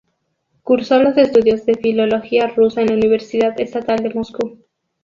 Cursó los estudios de filología rusa en la Universidad Estatal de Moscú.